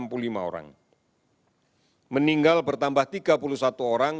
ketiga enam ratus enam puluh lima orang meninggal bertambah tiga puluh satu orang